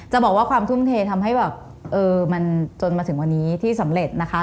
จะบอกว่าความทุ่มเททำให้แบบเออมันจนมาถึงวันนี้ที่สำเร็จนะคะ